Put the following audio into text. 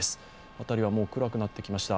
辺りはもう暗くなってきました。